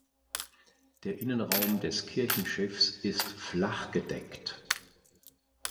Der Innenraum des Kirchenschiffs ist flachgedeckt.